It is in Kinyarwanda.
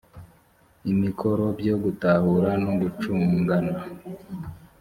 amikoro byo gutahura no gucungana